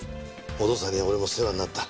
お父さんには俺も世話になった。